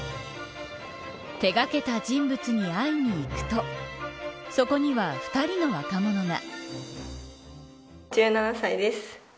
手掛けた人物に会いに行くとそこには、２人の若者が。